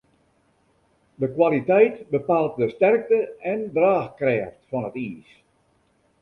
De kwaliteit bepaalt de sterkte en draachkrêft fan it iis.